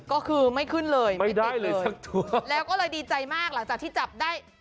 ก็คือไม่ขึ้นเลยไม่ติดเลยแล้วก็เลยดีใจมากหลังจากที่จับได้